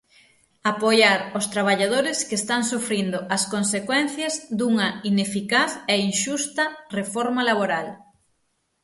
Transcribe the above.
Apoiar os traballadores que están sufrindo as consecuencias dunha ineficaz e inxusta reforma laboral.